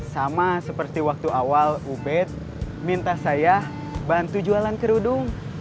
sama seperti waktu awal ubed minta saya bantu jualan kerudung